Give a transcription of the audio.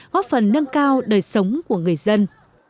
góp phần nâng cao đời sống của người dân